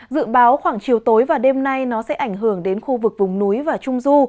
dự báo khoảng chiều tối và đêm nay nó sẽ ảnh hưởng đến khu vực vùng núi và trung du